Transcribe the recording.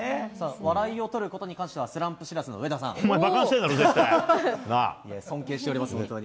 笑いを取ることに関してはスお前、ばかにしてるだろ、尊敬しております、本当に。